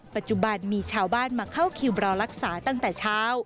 ปัจจุบันมีชาวบ้านมาเข้าคิวรอรักษาตั้งแต่เช้า